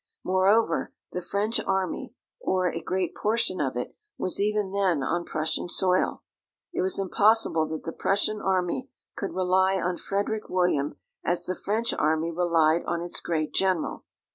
Moreover, the French army, or a great portion of it, was even then on Prussian soil. It was impossible that the Prussian army could rely on Frederick William, as the French army relied on its great general.